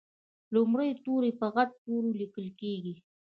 لومړی توری په غټ توري لیکل کیږي.